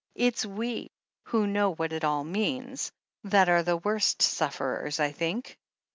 It's we, who know what it all means, that are the worst sufferers, I think.